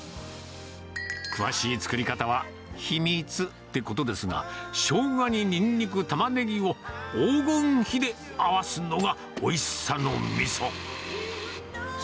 詳しい作り方は秘密ってことですが、ショウガにニンニク、タマネギを、黄金比で合わすのがおいしさのみそ。